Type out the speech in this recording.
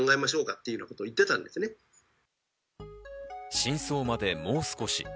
真相までもう少し。